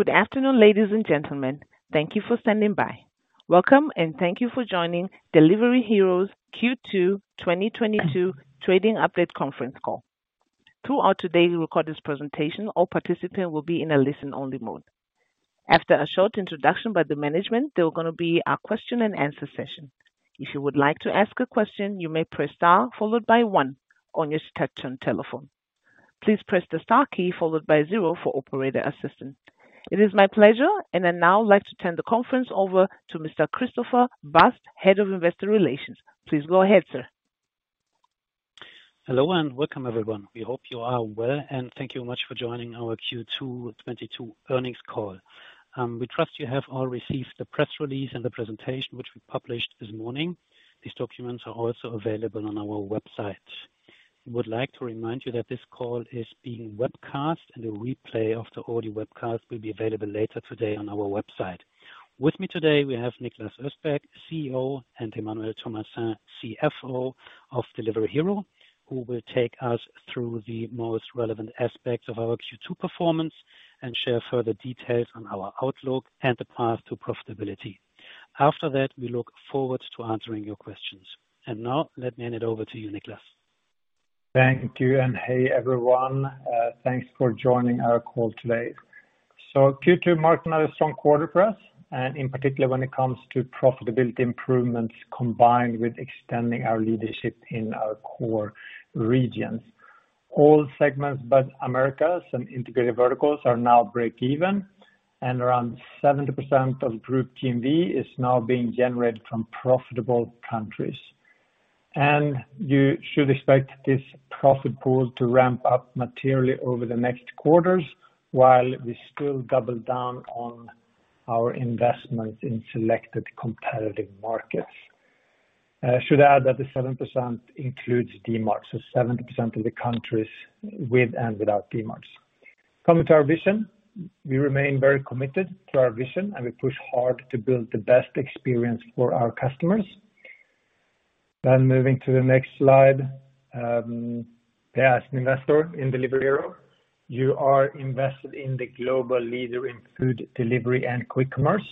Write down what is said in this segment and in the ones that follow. Good afternoon, ladies and gentlemen. Thank you for standing by. Welcome and thank you for joining Delivery Hero's Q2 2022 Trading Update conference call. Throughout today's recorded presentation, all participants will be in a listen-only mode. After a short introduction by the management, there are gonna be a question and answer session. If you would like to ask a question, you may press star followed by one on your touchtone telephone. Please press the star key followed by zero for operator assistance. It is my pleasure, and I'd now like to turn the conference over to Mr. Christoph Bast, Head of Investor Relations. Please go ahead, Sir. Hello and welcome everyone. We hope you are well, and thank you much for joining our Q2 2022 earnings call. We trust you have all received the press release and the presentation, which we published this morning. These documents are also available on our website. We would like to remind you that this call is being webcast, and a replay of the audio webcast will be available later today on our website. With me today, we have Niklas Östberg, CEO, and Emmanuel Thomassin, CFO of Delivery Hero, who will take us through the most relevant aspects of our Q2 performance and share further details on our outlook and the path to profitability. After that, we look forward to answering your questions. Now let me hand it over to you, Niklas. Thank you. Hey, everyone. Thanks for joining our call today. Q2 marked another strong quarter for us, and in particular, when it comes to profitability improvements combined with extending our leadership in our core regions. All segments but Americas and integrated verticals are now break-even, and around 70% of group GMV is now being generated from profitable countries. You should expect this profit pool to ramp up materially over the next quarters while we still double down on our investments in selected competitive markets. I should add that the 7% includes Dmart, so 70% of the countries with and without Dmart. Coming to our vision. We remain very committed to our vision, and we push hard to build the best experience for our customers. Moving to the next slide. As an investor in Delivery Hero, you are invested in the global leader in food delivery and quick commerce.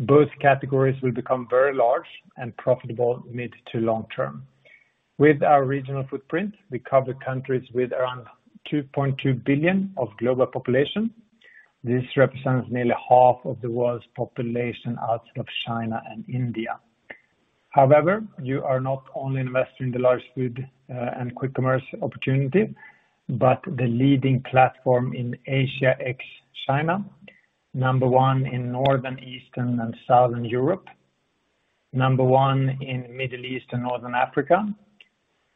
Both categories will become very large and profitable mid to long term. With our regional footprint, we cover countries with around 2.2 billion of global population. This represents nearly half of the world's population outside of China and India. However, you are not only investing in the large food and quick commerce opportunity, but the leading platform in Asia, ex-China. Number one in Northern, Eastern, and Southern Europe. Number one in Middle East and Northern Africa,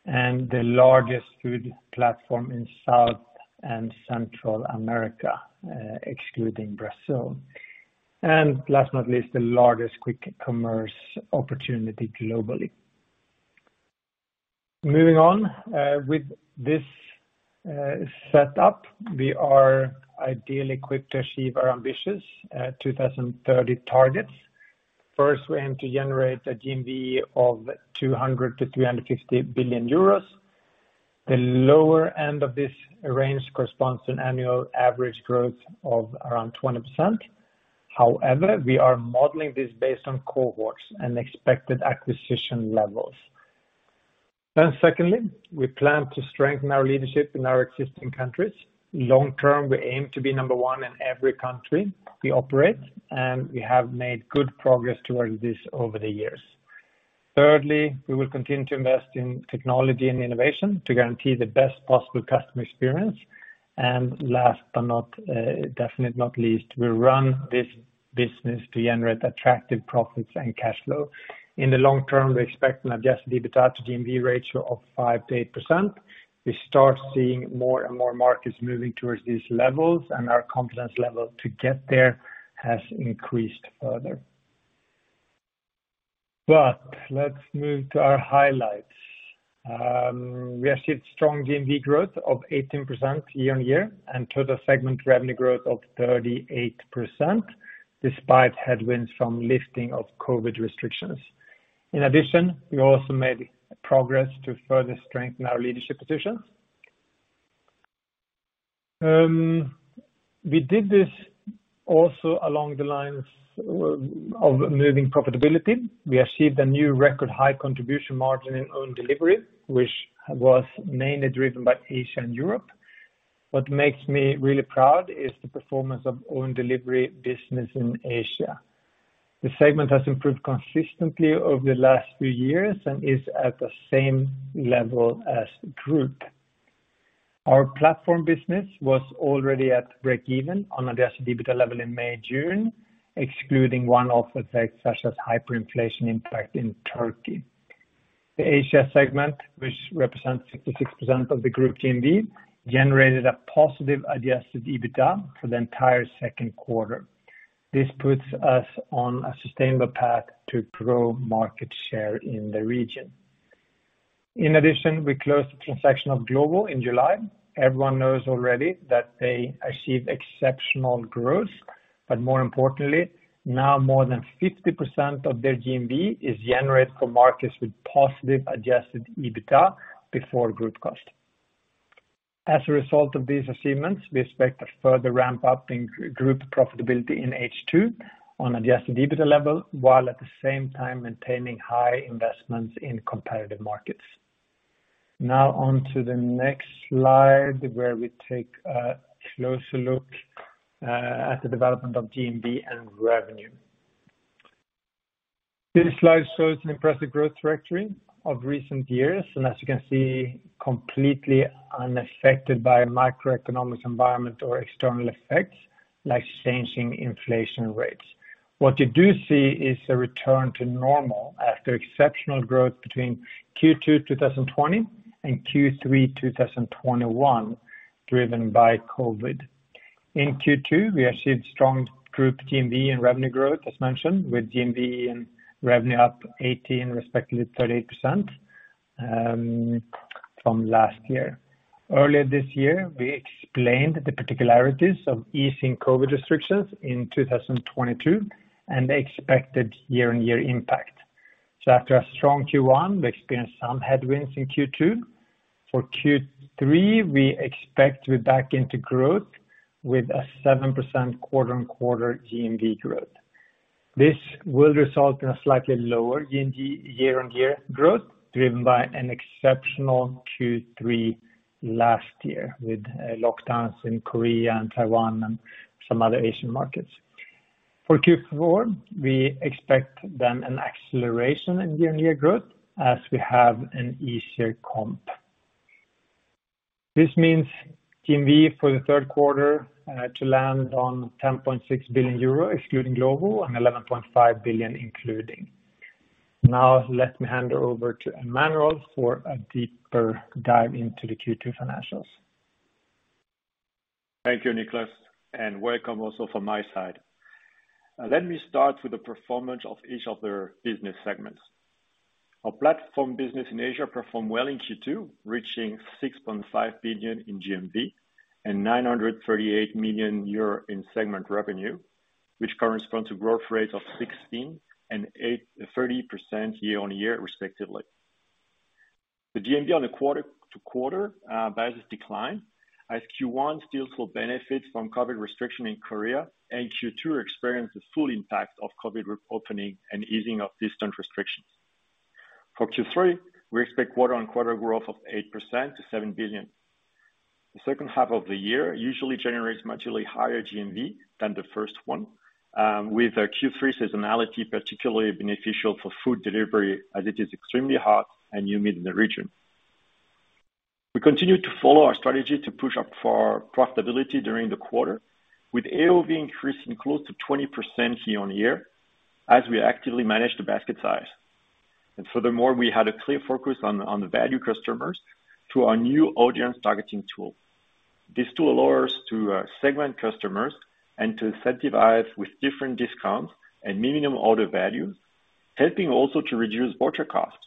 and the largest food platform in South and Central America, excluding Brazil. Last but not least, the largest quick commerce opportunity globally. Moving on. With this setup, we are ideally quick to achieve our ambitious 2030 targets. First, we aim to generate a GMV of 200 billion-350 billion euros. The lower end of this range corresponds to an annual average growth of around 20%. However, we are modeling this based on cohorts and expected acquisition levels. Secondly, we plan to strengthen our leadership in our existing countries. Long term, we aim to be number one in every country we operate, and we have made good progress towards this over the years. Thirdly, we will continue to invest in technology and innovation to guarantee the best possible customer experience. Last but not, definitely not least, we run this business to generate attractive profits and cash flow. In the long term, we expect an adjusted EBITDA to GMV ratio of 5%-8%. We start seeing more and more markets moving towards these levels, and our confidence level to get there has increased further. Let's move to our highlights. We achieved strong GMV growth of 18% year-on-year and total segment revenue growth of 38%, despite headwinds from lifting of COVID restrictions. In addition, we also made progress to further strengthen our leadership position. We did this also along the lines of moving profitability. We achieved a new record high contribution margin in own delivery, which was mainly driven by Asia and Europe. What makes me really proud is the performance of own delivery business in Asia. The segment has improved consistently over the last few years and is at the same level as group. Our platform business was already at break even on adjusted EBITDA level in May, June, excluding one-off effects such as hyperinflation impact in Turkey. The Asia segment, which represents 66% of the group GMV, generated a positive adjusted EBITDA for the entire second quarter. This puts us on a sustainable path to grow market share in the region. In addition, we closed the transaction of Glovo in July. Everyone knows already that they achieved exceptional growth. More importantly, now more than 50% of their GMV is generated from markets with positive adjusted EBITDA before group cost. As a result of these achievements, we expect a further ramp up in group profitability in H2 on adjusted EBITDA level, while at the same time maintaining high investments in competitive markets. Now on to the next slide, where we take a closer look at the development of GMV and revenue. This slide shows an impressive growth trajectory of recent years, and as you can see, completely unaffected by macroeconomic environment or external effects like changing inflation rates. What you do see is a return to normal after exceptional growth between Q2 2020 and Q3 2021 driven by COVID. In Q2, we achieved strong group GMV and revenue growth, as mentioned, with GMV and revenue up 18% respectively 38%, from last year. Earlier this year, we explained the particularities of easing COVID restrictions in 2022 and the expected year-on-year impact. After a strong Q1, we experienced some headwinds in Q2. For Q3, we expect to be back into growth with a 7% quarter-on-quarter GMV growth. This will result in a slightly lower GMV year-on-year growth driven by an exceptional Q3 last year with lockdowns in Korea and Taiwan and some other Asian markets. For Q4, we expect then an acceleration in year-on-year growth as we have an easier comp. This means GMV for the Q3 to land on 10.6 billion euro excluding Glovo and 11.5 billion including. Now let me hand over to Emmanuel for a deeper dive into the Q2 financials. Thank you, Niklas, and welcome also from my side. Let me start with the performance of each of their business segments. Our platform business in Asia performed well in Q2, reaching 6.5 billion in GMV and 938 million euro in segment revenue, which corresponds to growth rate of 16% and 30% year-on-year, respectively. The GMV on the quarter-to-quarter basis declined as Q1 still saw benefits from COVID restriction in Korea and Q2 experienced the full impact of COVID re-opening and easing of distance restrictions. For Q3, we expect quarter-on-quarter growth of 8% to 7 billion. The second half of the year usually generates materially higher GMV than the first one, with our Q3 seasonality particularly beneficial for food delivery as it is extremely hot and humid in the region. We continue to follow our strategy to push up for profitability during the quarter, with AOV increasing close to 20% year-on-year as we actively manage the basket size. Furthermore, we had a clear focus on the value customers through our new audience targeting tool. This tool allows us to segment customers and to incentivize with different discounts and minimum order values, helping also to reduce voucher costs.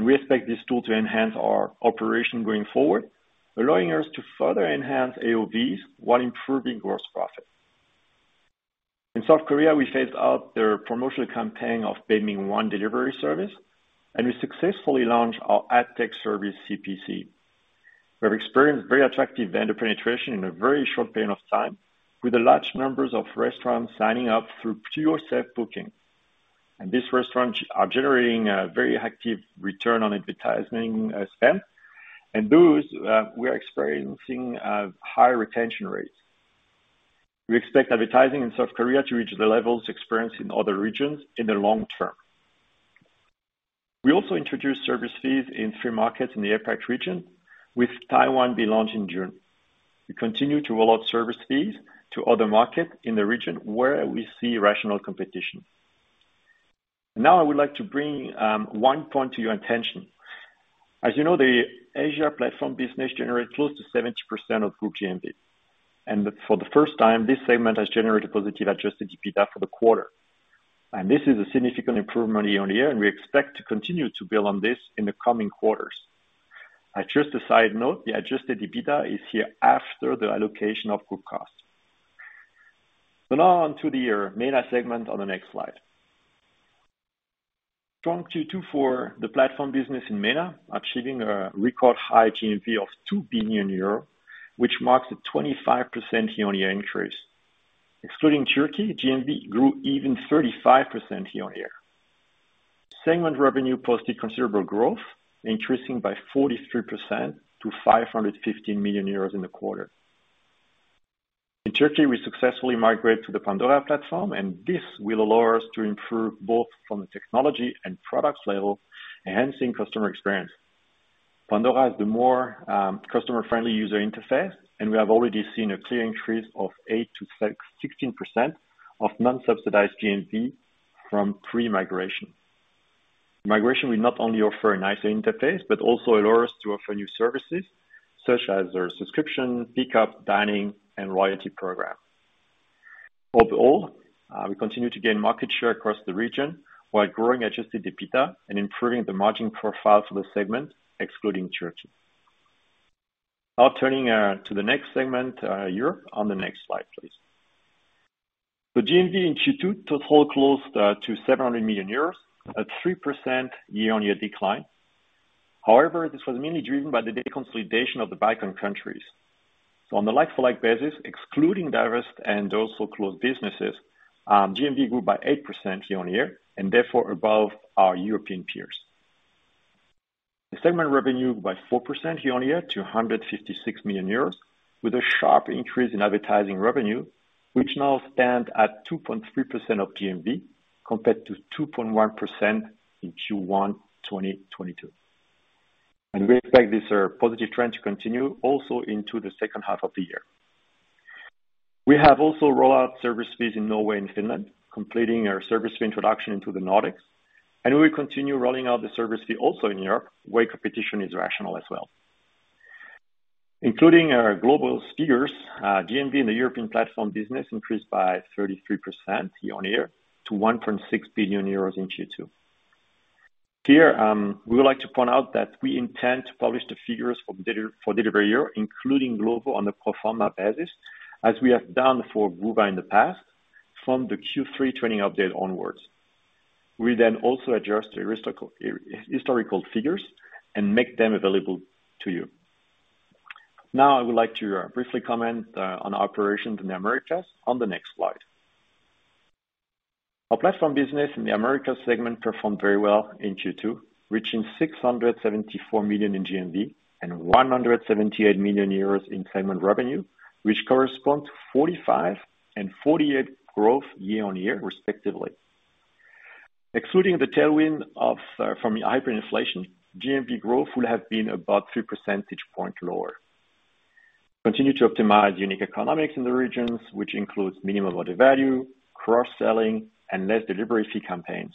We expect this tool to enhance our operation going forward, allowing us to further enhance AOVs while improving gross profit. In South Korea, we phased out their promotional campaign of Baemin One Delivery service, and we successfully launched our ad tech service, CPC. We have experienced very attractive vendor penetration in a very short period of time, with a large numbers of restaurants signing up through pure self-booking. These restaurants are generating a very attractive return on advertising spend, and those we are experiencing high retention rates. We expect advertising in South Korea to reach the levels experienced in other regions in the long term. We also introduced service fees in three markets in the APAC region, with Taiwan being launched in June. We continue to roll out service fees to other markets in the region where we see rational competition. Now I would like to bring one point to your attention. As you know, the Asia platform business generates close to 70% of group GMV. For the first time, this segment has generated positive adjusted EBITDA for the quarter. This is a significant improvement year-on-year, and we expect to continue to build on this in the coming quarters. Just as a side note, the adjusted EBITDA is here after the allocation of group cost. Now onto the MENA segment on the next slide. Strong Q2 for the platform business in MENA, achieving a record high GMV of 2 billion euro, which marks a 25% year-on-year increase. Excluding Turkey, GMV grew even 35% year-on-year. Segment revenue posted considerable growth, increasing by 43% to 515 million euros in the quarter. In Turkey, we successfully migrate to the Pandora platform, and this will allow us to improve both from the technology and products level, enhancing customer experience. Pandora has a more customer-friendly user interface, and we have already seen a clear increase of sixteen percent of non-subsidized GMV from pre-migration. Migration will not only offer a nicer interface, but also allow us to offer new services such as our subscription, pickup, dining, and loyalty program. Overall, we continue to gain market share across the region while growing adjusted EBITDA and improving the margin profile for the segment, excluding Turkey. Now turning to the next segment, Europe on the next slide, please. The GMV in Q2 totaled close to 700 million euros at 3% year-on-year decline. However, this was mainly driven by the deconsolidation of the Balkans countries. On the like-for-like basis, excluding divests and those who closed businesses, GMV grew by 8% year-on-year, and therefore above our European peers. The segment revenue by 4% year-on-year to 156 million euros with a sharp increase in advertising revenue, which now stand at 2.3% of GMV compared to 2.1% in Q1 2022. We expect this positive trend to continue also into the second half of the year. We have also rolled out service fees in Norway and Finland, completing our service fee introduction into the Nordics, and we continue rolling out the service fee also in Europe, where competition is rational as well. Including our global figures, GMV in the European platform business increased by 33% year-on-year to 1.6 billion euros in Q2. Here, we would like to point out that we intend to publish the figures for Delivery Hero, including global on a pro forma basis, as we have done for Woowa in the past, from the Q3 trading update onwards. We then also adjust the historical figures and make them available to you. Now I would like to briefly comment on operations in the Americas on the next slide. Our platform business in the Americas segment performed very well in Q2, reaching 674 million in GMV and 178 million euros in segment revenue, which correspond to 45% and 48% growth year-on-year respectively. Excluding the tailwind from hyperinflation, GMV growth would have been about three percentage points lower. Continue to optimize unique economics in the regions, which includes minimum order value, cross-selling, and less delivery fee campaigns.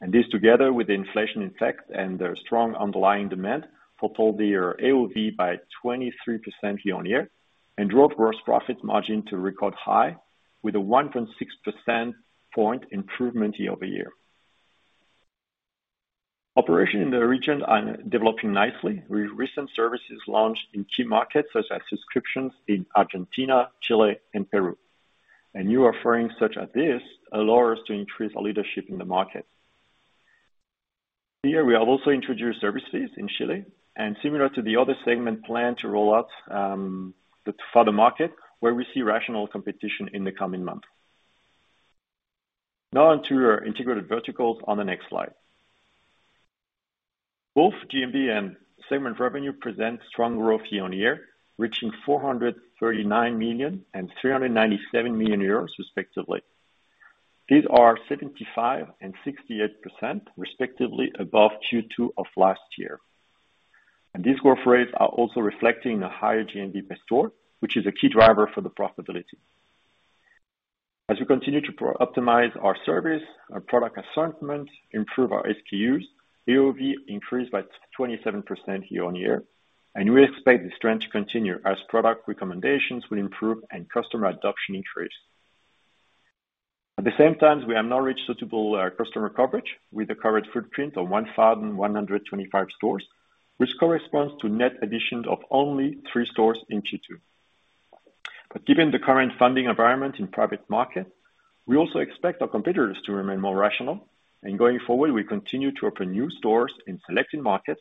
This together with the inflation effect and the strong underlying demand, fulfilled the AOV by 23% year-on-year and drove gross profit margin to record high with a 1.6 percentage point improvement year-over-year. Operations in the region are developing nicely with recent services launched in key markets such as subscriptions in Argentina, Chile, and Peru. A new offering such as this allow us to increase our leadership in the market. Here we have also introduced service fees in Chile and similar to the other segment plan to roll out to further markets where we see rational competition in the coming months. Now onto our integrated verticals on the next slide. Both GMV and segment revenue present strong growth year-on-year, reaching 439 million and 397 million euros respectively. These are 75% and 68% respectively above Q2 of last year. These growth rates are also reflecting a higher GMV per store, which is a key driver for the profitability. As we continue to optimize our service, our product assortment, improve our SKUs, AOV increased by 27% year-on-year. We expect this trend to continue as product recommendations will improve and customer adoption increase. At the same time, we have now reached suitable customer coverage with the current footprint of 1,125 stores, which corresponds to net additions of only three stores in Q2. Given the current funding environment in private market, we also expect our competitors to remain more rational. Going forward, we continue to open new stores in selected markets,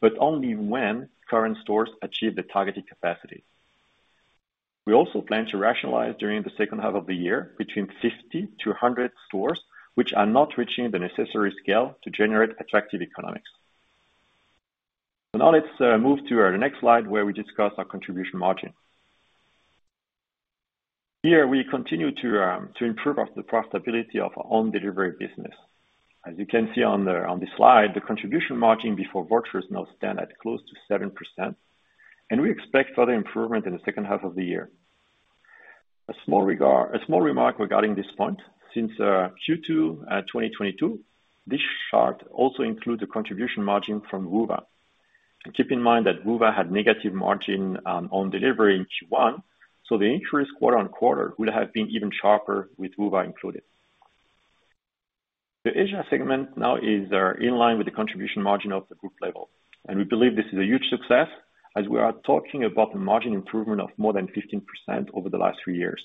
but only when current stores achieve the targeted capacity. We also plan to rationalize during the second half of the year between 50-100 stores which are not reaching the necessary scale to generate attractive economics. Now let's move to our next slide where we discuss our contribution margin. Here we continue to improve on the profitability of our own delivery business. As you can see on this slide, the contribution margin before vouchers now stand at close to 7%, and we expect further improvement in the second half of the year. A small remark regarding this point since Q2 2022, this chart also includes a contribution margin from Woowa. Keep in mind that Woowa had negative margin on delivery in Q1, so the increase quarter-over-quarter would have been even sharper with Woowa included. The Asia segment now is in line with the contribution margin of the group level, and we believe this is a huge success as we are talking about a margin improvement of more than 15% over the last three years.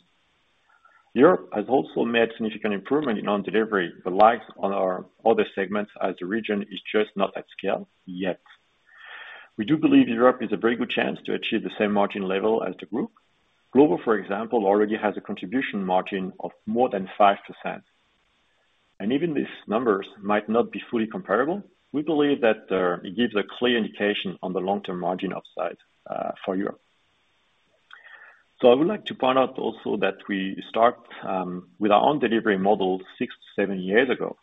Europe has also made significant improvement in own delivery, but lags behind our other segments as the region is just not at scale yet. We do believe Europe has a very good chance to achieve the same margin level as the group. Glovo, for example, already has a contribution margin of more than 5%. Even these numbers might not be fully comparable, we believe that it gives a clear indication on the long-term margin upside for Europe. I would like to point out also that we start with our own delivery model six-seven years ago,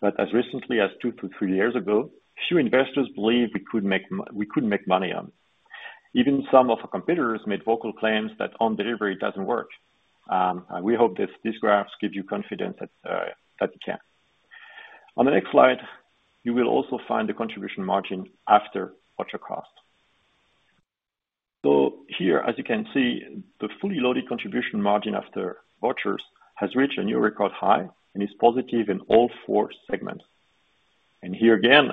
but as recently as two-three years ago, few investors believed we could make money on. Even some of our competitors made vocal claims that own delivery doesn't work. We hope this, these graphs give you confidence that it can. On the next slide, you will also find the contribution margin after voucher cost. Here, as you can see, the fully loaded contribution margin after vouchers has reached a new record high and is positive in all four segments. Here again,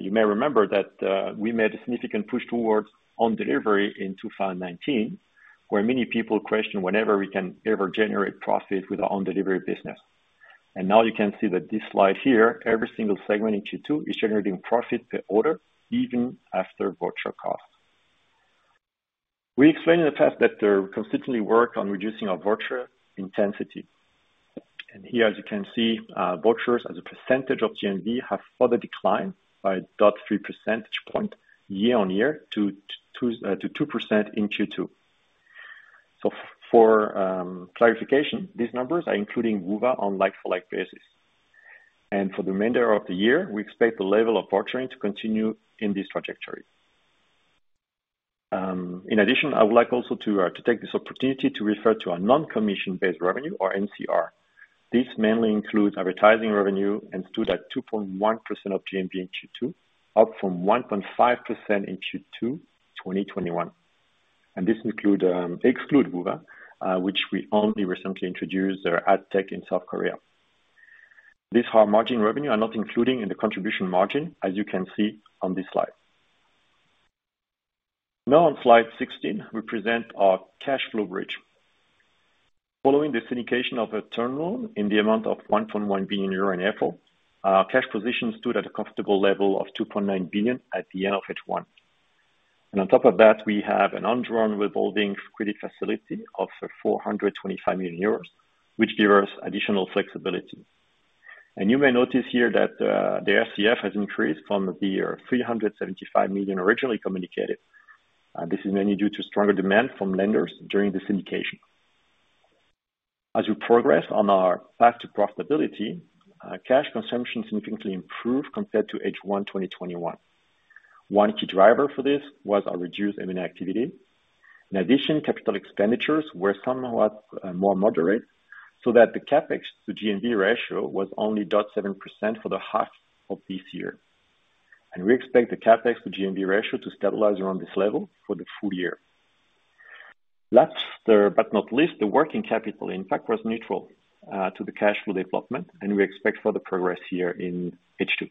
you may remember that we made a significant push towards own delivery in 2019, where many people questioned whether we can ever generate profit with our own delivery business. Now you can see that this slide here, every single segment in Q2 is generating profit per order even after voucher cost. We explained in the past that we're consistently work on reducing our voucher intensity. Here, as you can see, vouchers as a percentage of GMV have further declined by 0.3 percentage point year-on-year to 2% in Q2. For clarification, these numbers are including Woowa on like-for-like basis. For the remainder of the year, we expect the level of voucher to continue in this trajectory. In addition, I would like also to take this opportunity to refer to our non-commission based revenue or NCR. This mainly includes advertising revenue and stood at 2.1% of GMV in Q2, up from 1.5% in Q2 2021. This excludes Woowa, which we only recently introduced their ad tech in South Korea. These ad margin revenues are not included in the contribution margin, as you can see on this slide. Now on slide 16, we present our cash flow bridge. Following the syndication of a term loan in the amount of 1.1 billion euro in April, our cash position stood at a comfortable level of 2.9 billion at the end of H1. On top of that, we have an undrawn revolving credit facility of 425 million euros, which gives us additional flexibility. You may notice here that the FCF has increased from the 375 million originally communicated. This is mainly due to stronger demand from lenders during the syndication. As we progress on our path to profitability, cash consumption significantly improved compared to H1 2021. One key driver for this was our reduced M&A activity. In addition, capital expenditures were somewhat more moderate, so that the CapEx to GMV ratio was only 0.7% for the half of this year. We expect the CapEx to GMV ratio to stabilize around this level for the full year. Last but not least, the working capital impact was neutral to the cash flow development, and we expect further progress here in H2.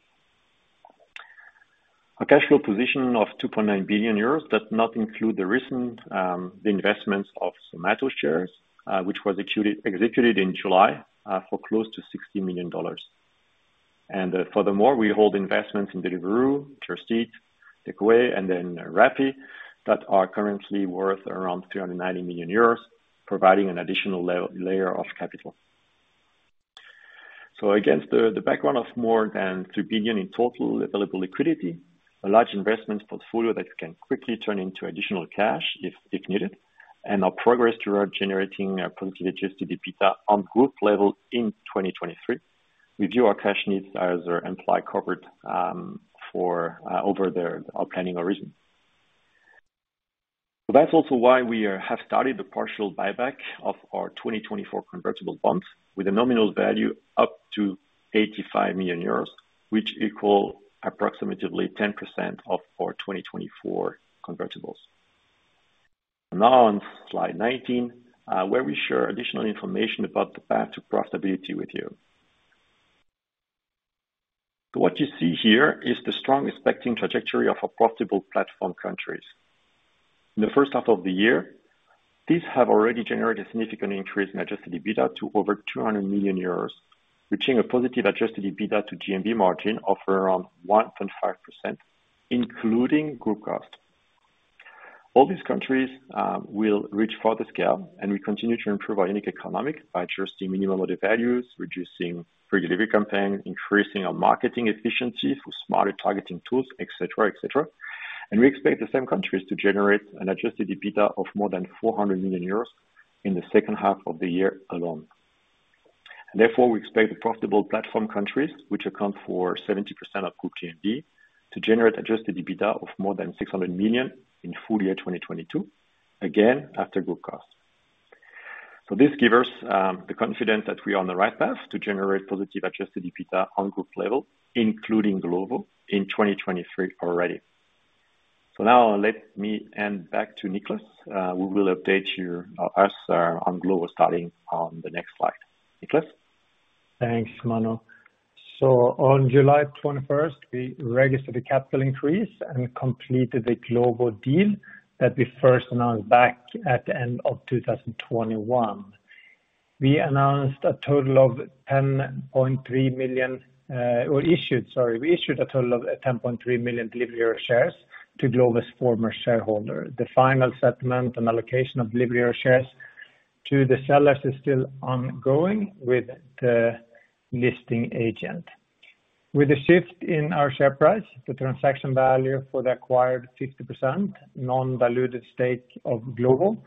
A cash flow position of 2.9 billion euros does not include the recent investments of Zomato shares, which was executed in July for close to $60 million. Furthermore, we hold investments in Deliveroo, Just Eat Takeaway.com, and then Rappi that are currently worth around 390 million euros, providing an additional layer of capital. Against the background of more than 3 billion in total available liquidity, a large investment portfolio that can quickly turn into additional cash if needed, and our progress toward generating a positive adjusted EBITDA on group level in 2023, we view our cash needs as implied covered for over the planning horizon. That's also why we have started the partial buyback of our 2024 convertible bonds with a nominal value up to 85 million euros, which equal approximately 10% of our 2024 convertibles. Now on slide 19, where we share additional information about the path to profitability with you. What you see here is the strong expected trajectory of our profitable platform countries. In the first half of the year, these have already generated a significant increase in adjusted EBITDA to over 200 million euros, reaching a positive adjusted EBITDA to GMV margin of around 1.5%, including group costs. All these countries will reach further scale, and we continue to improve our unit economics by adjusting minimum order values, reducing free delivery campaigns, increasing our marketing efficiency through smarter targeting tools, et cetera, et cetera. We expect the same countries to generate an adjusted EBITDA of more than 400 million euros in the second half of the year alone. Therefore, we expect the profitable platform countries, which account for 70% of group GMV, to generate adjusted EBITDA of more than 600 million in full year 2022, again after group cost. This give us the confidence that we are on the right path to generate positive adjusted EBITDA on group level, including Glovo, in 2023 already. Now let me hand back to Niklas, who will update us on Glovo starting on the next slide. Niklas? Thanks, Mano. On July 21st, we registered a capital increase and completed the Glovo deal that we first announced back at the end of 2021. We issued a total of 10.3 million Delivery Hero shares to Glovo's former shareholder. The final settlement and allocation of Delivery Hero shares to the sellers is still ongoing with the listing agent. With the shift in our share price, the transaction value for the acquired 50% non-diluted stake of Glovo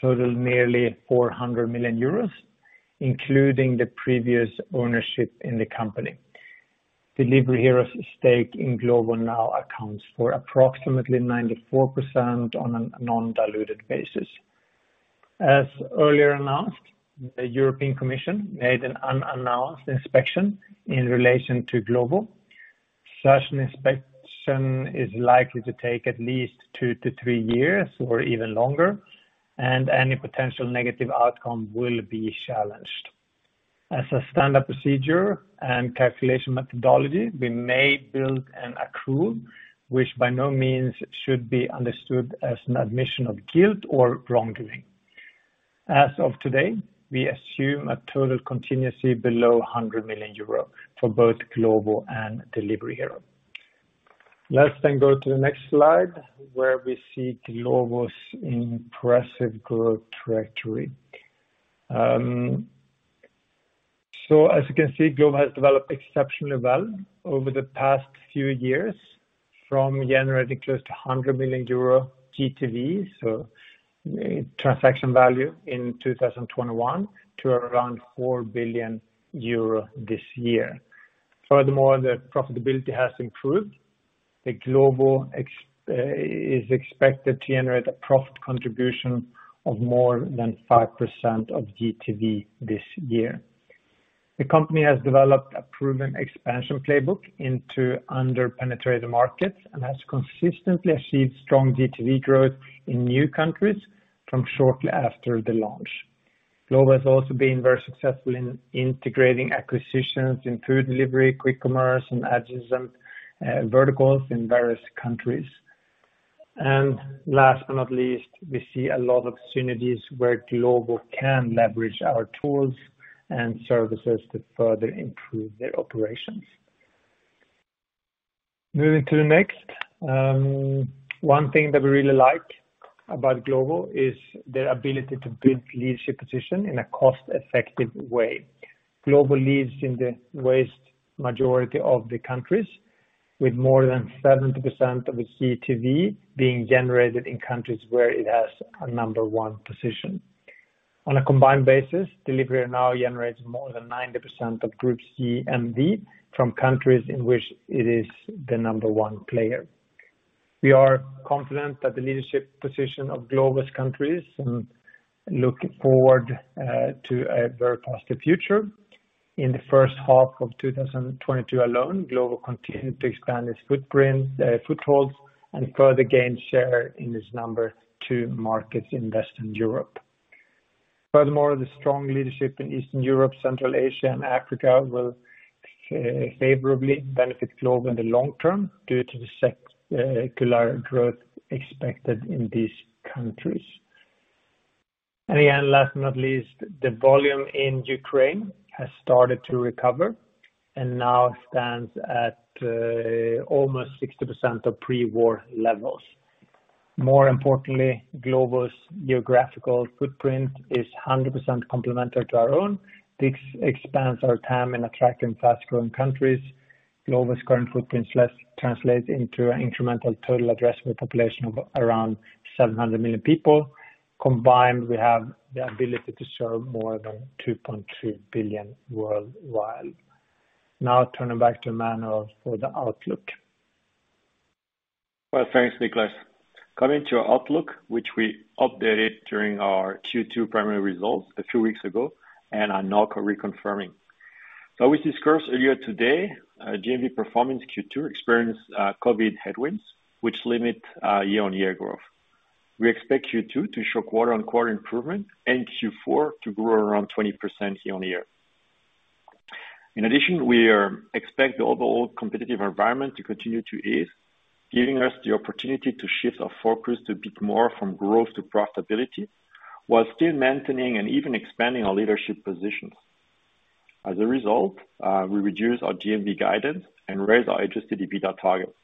totals nearly 400 million euros, including the previous ownership in the company. Delivery Hero's stake in Glovo now accounts for approximately 94% on a non-diluted basis. As earlier announced, the European Commission made an unannounced inspection in relation to Glovo. Such an inspection is likely to take at least two-three years or even longer. Any potential negative outcome will be challenged. As a standard procedure and calculation methodology, we may build an accrual, which by no means should be understood as an admission of guilt or wrongdoing. As of today, we assume a total contingency below 100 million euro for both Glovo and Delivery Hero. Let's then go to the next slide, where we see Glovo's impressive growth trajectory. As you can see, Glovo has developed exceptionally well over the past few years from generating close to 100 million euro GTV, so transaction value in 2021 to around 4 billion euro this year. Furthermore, the profitability has improved. The Glovo is expected to generate a profit contribution of more than 5% of GTV this year. The company has developed a proven expansion playbook into under-penetrated markets, and has consistently achieved strong GTV growth in new countries from shortly after the launch. Glovo has also been very successful in integrating acquisitions in food delivery, quick commerce, and adjacent verticals in various countries. Last but not least, we see a lot of synergies where Glovo can leverage our tools and services to further improve their operations. Moving to the next. One thing that we really like about Glovo is their ability to build leadership position in a cost-effective way. Glovo leads in the vast majority of the countries, with more than 70% of its GTV being generated in countries where it has a number one position. On a combined basis, Delivery Hero now generates more than 90% of group GMV from countries in which it is the number one player. We are confident that the leadership position of Glovo's countries and look forward to a very positive future. In the first half of 2022 alone, Glovo continued to expand its footprint, footholds and further gain share in its number two markets in Western Europe. Furthermore, the strong leadership in Eastern Europe, Central Asia, and Africa will favorably benefit Glovo in the long term due to the secular growth expected in these countries. Again, last but not least, the volume in Ukraine has started to recover and now stands at almost 60% of pre-war levels. More importantly, Glovo's geographical footprint is 100% complementary to our own. This expands our TAM in attracting fast-growing countries. Glovo's current footprint translates into an incremental total addressable population of around 700 million people. Combined, we have the ability to serve more than 2.3 billion worldwide. Now turning back to Manuel for the outlook. Well, thanks, Niklas. Coming to our outlook, which we updated during our Q2 primary results a few weeks ago, and are now reconfirming. As we discussed earlier today, GMV performance Q2 experienced COVID headwinds, which limit year-on-year growth. We expect Q2 to show quarter-on-quarter improvement and Q4 to grow around 20% year-on-year. In addition, we expect the overall competitive environment to continue to ease, giving us the opportunity to shift our focus a bit more from growth to profitability, while still maintaining and even expanding our leadership positions. As a result, we reduce our GMV guidance and raise our adjusted EBITDA target.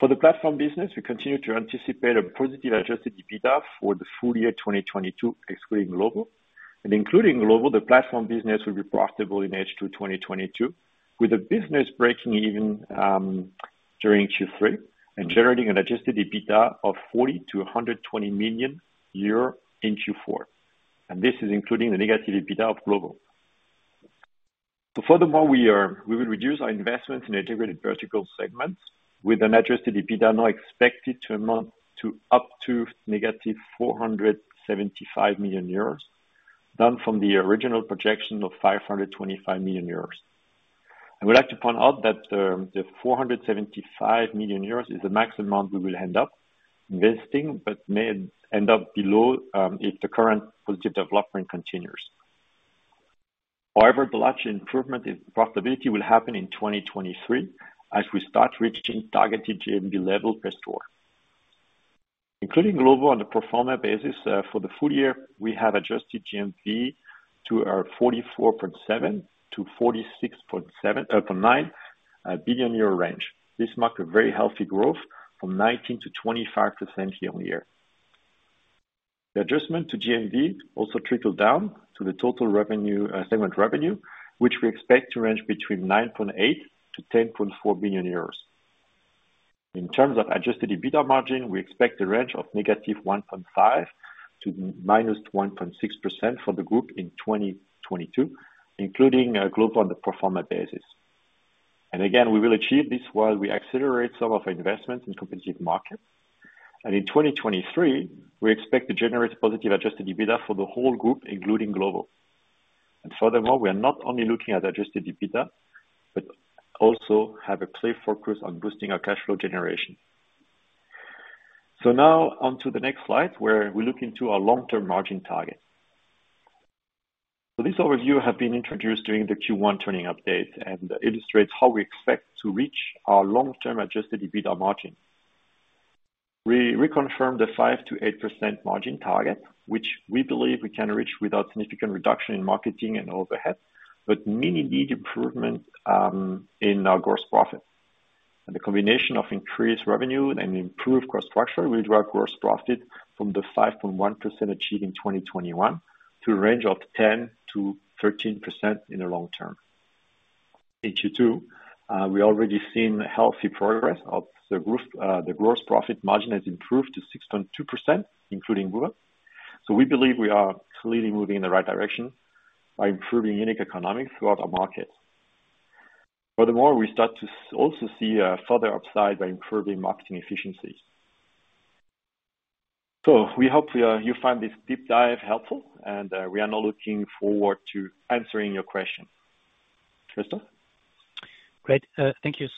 For the platform business, we continue to anticipate a positive adjusted EBITDA for the full year 2022 excluding Glovo. Including Glovo, the platform business will be profitable in H2 2022. With the business breaking even, during Q3 and generating an adjusted EBITDA of 40 million-120 million in Q4. This is including the negative EBITDA of Glovo. Furthermore, we will reduce our investments in integrated vertical segments with an adjusted EBITDA now expected to amount to up to -475 million euros, down from the original projection of 525 million euros. I would like to point out that, the 475 million euros is the maximum amount we will end up investing, but may end up below, if the current positive development continues. However, the large improvement in profitability will happen in 2023 as we start reaching targeted GMV level per store. Including Glovo on the pro forma basis, for the full year, we have adjusted GMV to our 44.7 billion-46.9 billion euro range. This marks a very healthy growth from 19%-25% year-on-year. The adjustment to GMV also trickles down to the total revenue, segment revenue, which we expect to range between 9.8 billion-10.4 billion euros. In terms of adjusted EBITDA margin, we expect a range of -1.5% to -1.6% for the group in 2022, including Glovo on the pro forma basis. Again, we will achieve this while we accelerate some of our investments in competitive markets. In 2023, we expect to generate positive adjusted EBITDA for the whole group, including Glovo. Furthermore, we are not only looking at adjusted EBITDA, but also have a clear focus on boosting our cash flow generation. Now on to the next slide, where we look into our long-term margin target. This overview have been introduced during the Q1 earnings update and illustrates how we expect to reach our long-term adjusted EBITDA margin. We reconfirm the 5%-8% margin target, which we believe we can reach without significant reduction in marketing and overhead, but may need improvement in our gross profit. The combination of increased revenue and improved cost structure will drive gross profit from the 5.1% achieved in 2021 to a range of 10%-13% in the long term. In Q2, we already seen healthy progress. The gross profit margin has improved to 6.2%, including Woowa. We believe we are clearly moving in the right direction by improving unit economics throughout our market. Furthermore, we start to also see a further upside by improving marketing efficiency. We hope you find this deep dive helpful, and we are now looking forward to answering your question. Christoph? Great. Thank you.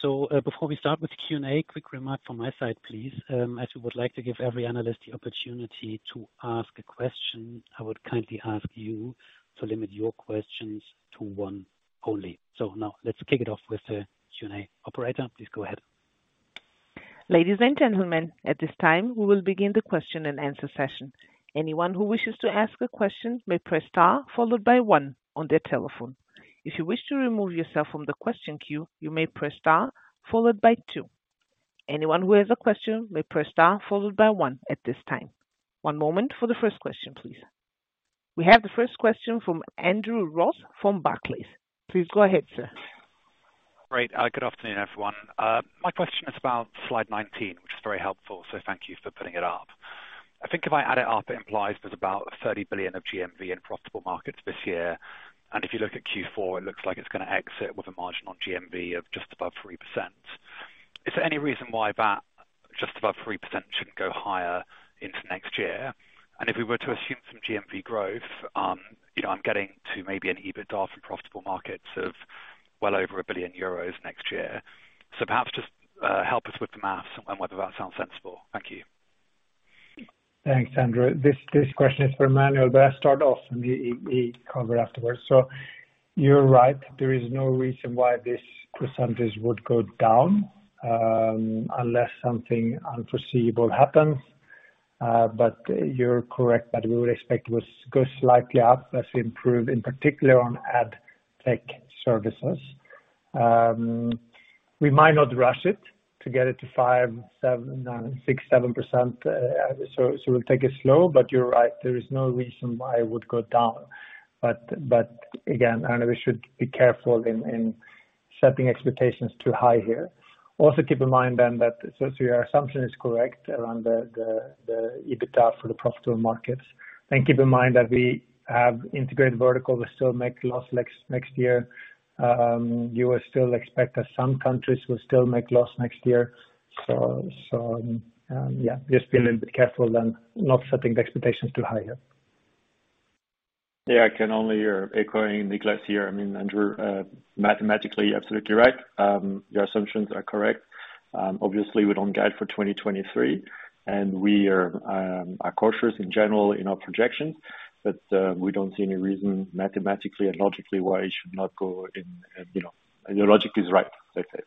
Before we start with the Q&A, a quick remark from my side, please. As we would like to give every analyst the opportunity to ask a question, I would kindly ask you to limit your questions to one only. Now let's kick it off with the Q&A. Operator, please go ahead. Ladies and gentlemen, at this time, we will begin the question and answer session. Anyone who wishes to ask a question may press star followed by one on their telephone. If you wish to remove yourself from the question queue, you may press star followed by two. Anyone who has a question may press star followed by one at this time. One moment for the first question, please. We have the first question from Andrew Ross from Barclays. Please go ahead, sir. Great. Good afternoon, everyone. My question is about slide 19, which is very helpful, so thank you for putting it up. I think if I add it up, it implies there's about 30 billion of GMV in profitable markets this year. If you look at Q4, it looks like it's gonna exit with a margin on GMV of just above 3%. Is there any reason why that just above 3% shouldn't go higher into next year? If we were to assume some GMV growth, you know, I'm getting to maybe an EBITDA from profitable markets of well over 1 billion euros next year. Perhaps just help us with the math and whether that sounds sensible. Thank you. Thanks, Andrew. This question is for Emmanuel, but I start off and he'll cover afterwards. You're right. There is no reason why this percentage would go down, unless something unforeseeable happens. But you're correct that we would expect it would go slightly up as we improve, in particular on ad tech services. We might not rush it to get it to 5-7, 6-7%. We'll take it slow, but you're right, there is no reason why it would go down. We should be careful in setting expectations too high here. Also, keep in mind your assumption is correct around the EBITDA for the profitable markets. Keep in mind that we have integrated verticals will still make loss next year. You will still expect that some countries will still make loss next year. Yeah, just be a little bit careful then not setting the expectations too high here. Yeah, I can only agree, echoing Niklas here. I mean, Andrew, mathematically absolutely right. Your assumptions are correct. Obviously we don't guide for 2023, and we are cautious in general in our projections, but we don't see any reason mathematically and logically why it should not go in, you know. Your logic is right, let's say.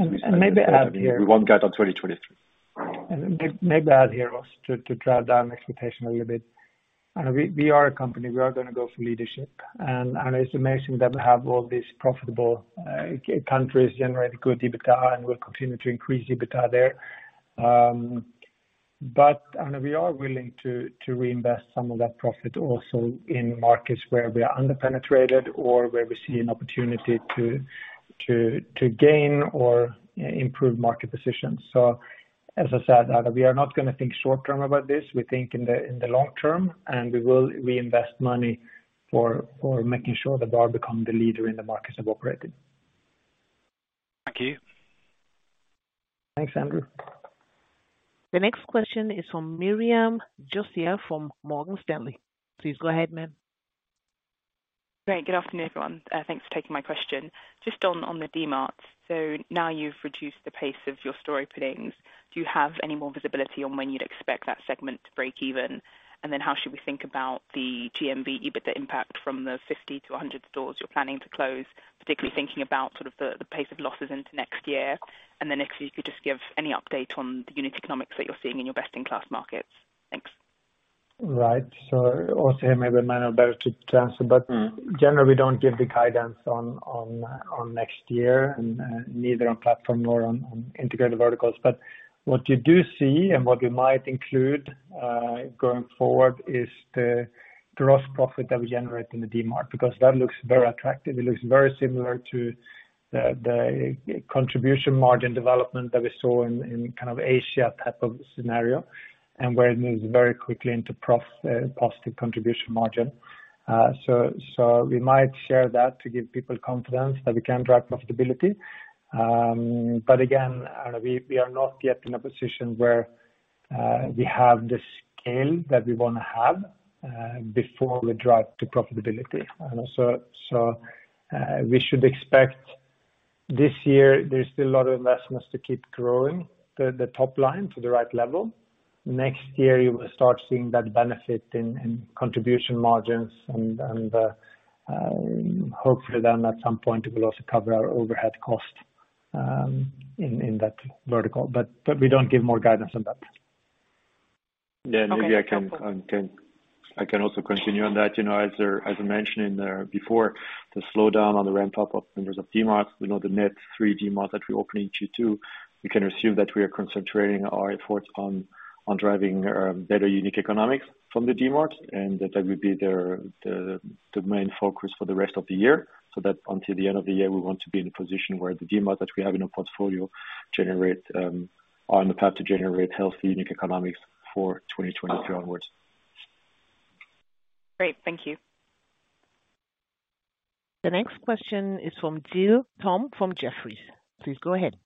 As we said. Maybe add here. We won't guide on 2023. Maybe add here, Ross, to drive down expectation a little bit. We are a company. We are gonna go for leadership. It's amazing that we have all these profitable countries generate good EBITDA and will continue to increase EBITDA there. We are willing to reinvest some of that profit also in markets where we are under-penetrated or where we see an opportunity to gain or improve market positions. As I said, we are not gonna think short-term about this. We think in the long term, and we will reinvest money for making sure that we become the leader in the markets we're operating. Thank you. Thanks, Andrew. The next question is from Miriam Josiah from Morgan Stanley. Please go ahead, ma'am. Great. Good afternoon, everyone. Thanks for taking my question. Just on the Dmarts. Now you've reduced the pace of your store openings. Do you have any more visibility on when you'd expect that segment to break even? How should we think about the GMV EBITDA impact from the 50-100 stores you're planning to close, particularly thinking about sort of the pace of losses into next year? If you could just give any update on the unit economics that you're seeing in your best-in-class markets. Thanks. Right. Also maybe Emmanuel better to answer, but generally, we don't give the guidance on next year, neither on platform nor on integrated verticals. What you do see and what we might include, going forward is the gross profit that we generate in the Dmart, because that looks very attractive. It looks very similar to the contribution margin development that we saw in kind of Asia type of scenario, and where it moves very quickly into positive contribution margin. We might share that to give people confidence that we can drive profitability. Again, we are not yet in a position where we have the scale that we wanna have, before we drive to profitability. We should expect this year there is still a lot of investments to keep growing the top line to the right level. Next year, you will start seeing that benefit in contribution margins and hopefully then at some point we will also cover our overhead cost in that vertical. We don't give more guidance on that. Yeah. Maybe I can. Okay. I can also continue on that. You know, as I mentioned in there before, the slowdown on the ramp-up of numbers of Dmarts, you know, the net three Dmarts that we open in Q2, we can assume that we are concentrating our efforts on driving better unit economics from the Dmarts, and that would be the main focus for the rest of the year. Until the end of the year, we want to be in a position where the Dmarts that we have in our portfolio are on the path to generate healthy unit economics for 2023 onwards. Great. Thank you. The next question is from Giles Thorne from Jefferies. Please go ahead.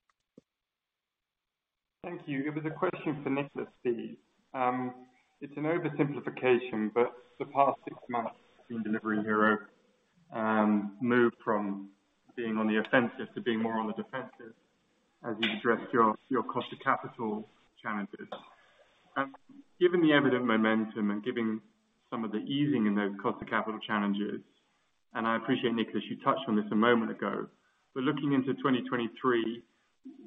Thank you. It was a question for Niklas Östberg. It's an oversimplification, but the past six months in Delivery Hero moved from being on the offensive to being more on the defensive as you've addressed your cost of capital challenges. Given the evident momentum and giving some of the easing in those cost of capital challenges, and I appreciate, Niklas, you touched on this a moment ago, but looking into 2023,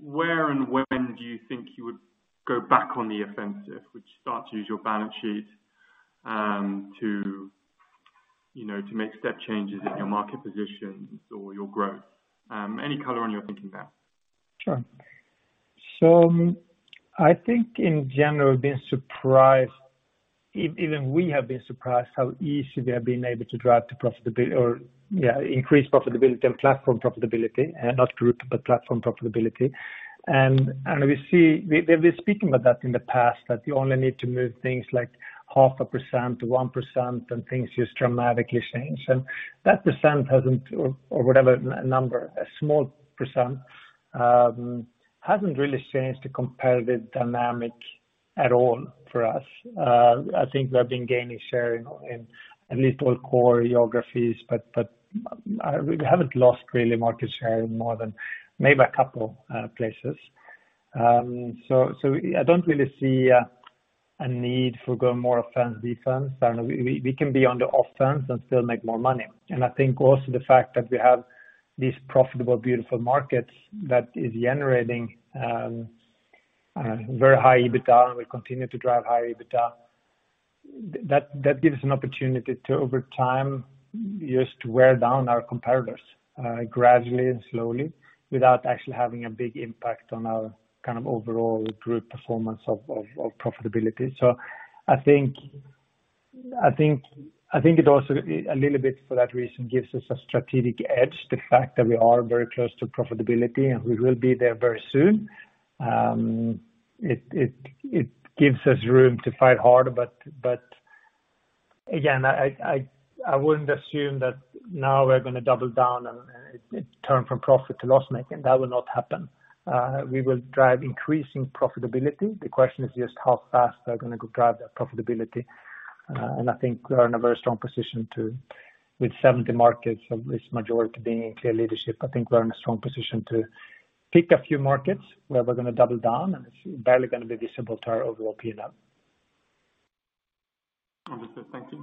where and when do you think you would go back on the offensive, would you start to use your balance sheet, to, you know, to make step changes in your market positions or your growth? Any color on your thinking there? Sure. I think in general, we've been surprised. We have been surprised how easy we have been able to drive to profitability or, yeah, increase profitability and platform profitability. Not group, but platform profitability. We've been speaking about that in the past, that you only need to move things like 0.5% to 1% and things just dramatically change. That percent hasn't or whatever number, a small percent, hasn't really changed the competitive dynamic at all for us. I think we have been gaining share in at least all core geographies, but we haven't lost really market share in more than maybe a couple places. I don't really see a need for going more offense, defense. I know we can be on the offense and still make more money. I think also the fact that we have these profitable, beautiful markets that is generating very high EBITDA, and we continue to drive high EBITDA. That gives an opportunity to over time just to wear down our competitors gradually and slowly, without actually having a big impact on our kind of overall group performance of profitability. I think it also a little bit for that reason gives us a strategic edge. The fact that we are very close to profitability and we will be there very soon. It gives us room to fight harder. Again, I wouldn't assume that now we're gonna double down and it turn from profit to loss-making. That will not happen. We will drive increasing profitability. The question is just how fast we're gonna go drive that profitability. I think we're in a very strong position. With 70 markets of which majority being in clear leadership, I think we're in a strong position to pick a few markets where we're gonna double down, and it's barely gonna be visible to our overall P&L. Understood. Thank you.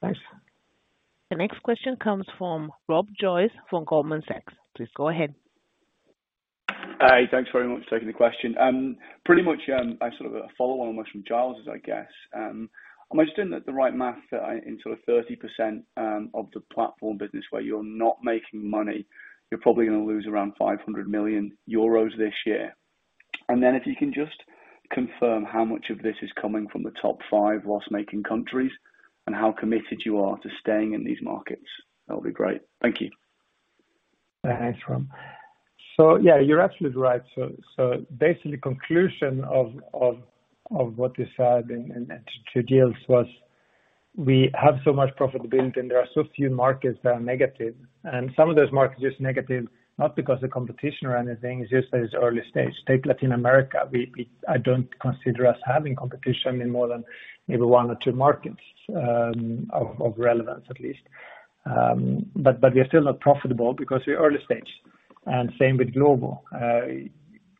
Thanks. The next question comes from Joseph Barnet-Lamb from Goldman Sachs. Please go ahead. Hi. Thanks very much for taking the question. Pretty much, it's sort of a follow-on almost from Giles's, I guess. Am I doing the right math that in sort of 30% of the platform business where you're not making money, you're probably gonna lose around 500 million euros this year? Then if you can just confirm how much of this is coming from the top five loss-making countries and how committed you are to staying in these markets, that would be great. Thank you. Thanks, Rob. Yeah, you're absolutely right. Basically conclusion of what we said and two deals was we have so much profitability and there are so few markets that are negative. Some of those markets are just negative, not because of competition or anything, it's just that it's early stage. Take Latin America, I don't consider us having competition in more than maybe one or two markets of relevance at least. We're still not profitable because we're early stage. Same with Glovo.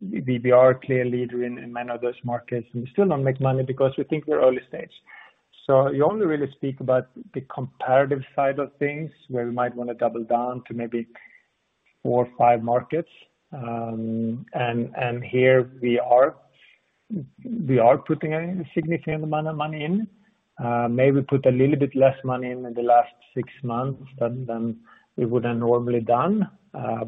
We are a clear leader in many of those markets, and we still don't make money because we think we're early stage. You only really speak about the comparative side of things, where we might wanna double down to maybe four or five markets. Here we are putting a significant amount of money in. Maybe put a little bit less money in the last six months than we would have normally done. I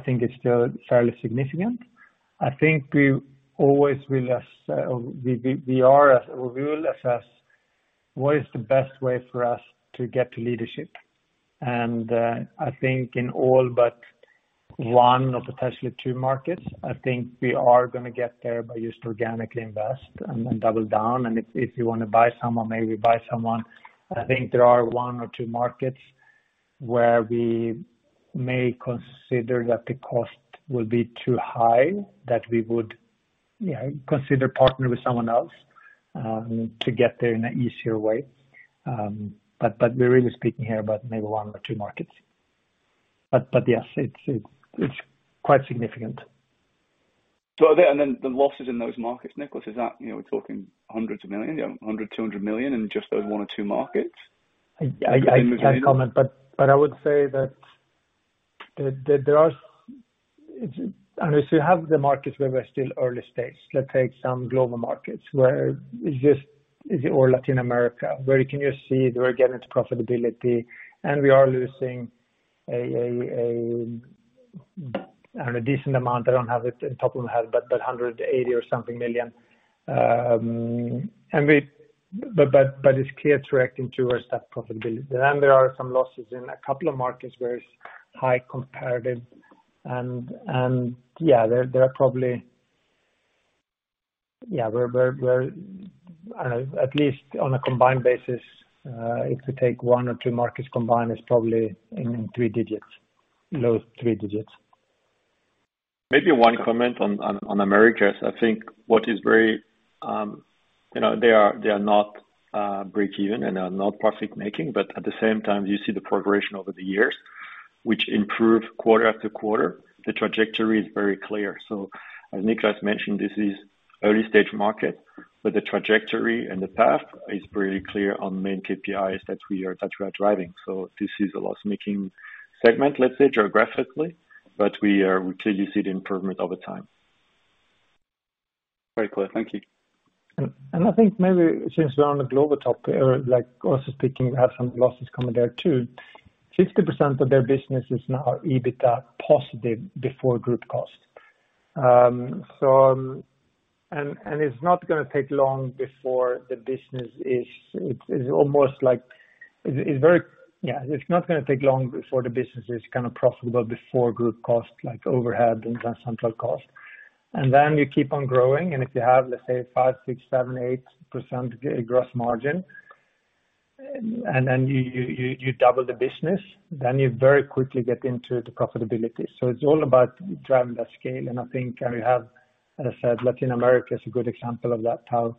think it's still fairly significant. I think we always will assess what is the best way for us to get to leadership. I think in all but one or potentially two markets, I think we are gonna get there by just organically invest and then double down. If you wanna buy someone, maybe buy someone. I think there are one or two markets where we may consider that the cost will be too high, that we would, you know, consider partnering with someone else to get there in an easier way. We're really speaking here about maybe one or two markets. Yes, it's quite significant. The losses in those markets, Niklas, is that, you know, we're talking hundreds of millions 100 million, 200 million in just those one or two markets? I can't comment, but I would say that there are markets where we're still early stage. If you have the markets where we're still early stage, let's take some global markets where it's just all Latin America, where you can just see they're getting to profitability and we are losing a decent amount. I don't have it off the top of my head, but 180 million or something. It's clear it's reaching towards that profitability. There are some losses in a couple of markets where it's high competition and yeah, there are probably. I don't know, at least on a combined basis, if you take one or two markets combined, it's probably in three digits, low three digits. Maybe one comment on Americas. I think what is very, you know, they are not breakeven and are not profit-making, but at the same time, you see the progression over the years, which improve quarter after quarter. The trajectory is very clear. As Niklas mentioned, this is early stage market, but the trajectory and the path is pretty clear on the main KPIs that we are driving. This is a loss-making segment, let's say geographically, but we clearly see the improvement over time. Very clear. Thank you. I think maybe since we're on the global topic, or like also speaking, we have some losses coming there too. 60% of their business is now EBITDA positive before group cost. It's not gonna take long before the business is kind of profitable before group cost, like overhead and central cost. Then you keep on growing, and if you have, let's say, 5, 6, 7, 8% gross margin, and then you double the business, then you very quickly get into the profitability. It's all about driving that scale. I think, we have, as I said, Latin America is a good example of that, how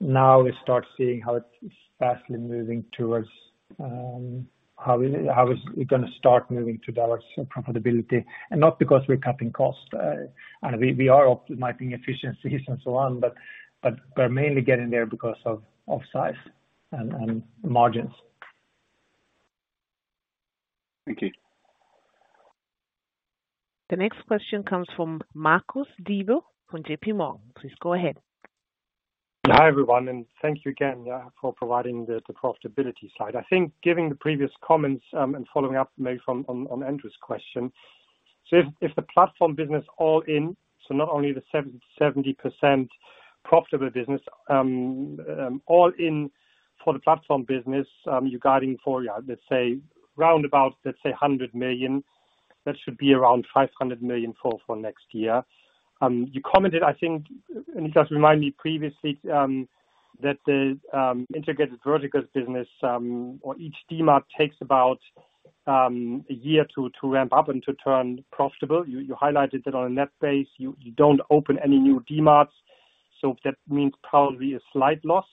now we start seeing how it's quickly moving towards profitability. Not because we're cutting costs. We are optimizing efficiencies and so on, but we're mainly getting there because of size and margins. Thank you. The next question comes from Marcus Diebel from J.P. Morgan. Please go ahead. Hi, everyone, and thank you again for providing the profitability slide. I think given the previous comments and following up maybe from Andrew's question. If the platform business all in, not only the 70% profitable business, all in for the platform business, you're guiding for, let's say round about, let's say 100 million, that should be around 500 million for next year. You commented, I think, and just remind me previously, that the integrated verticals business, or each Dmart takes about a year to ramp up and to turn profitable. You highlighted that on a net basis. You don't open any new Dmarts, so that means probably a slight loss.